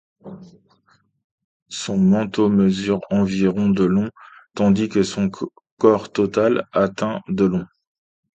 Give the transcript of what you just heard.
Son manteau mesure environ de long, tandis que son corps total atteint de long.